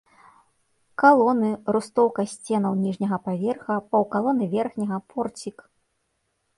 Калоны, рустоўка сценаў ніжняга паверха, паўкалоны верхняга, порцік.